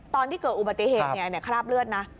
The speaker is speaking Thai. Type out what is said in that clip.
ตอนที่เกิดอุบัติเหตุคราบเลือดนะ